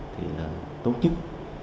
thì là tổ chức